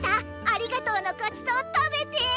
ありがとうのごちそうたべて！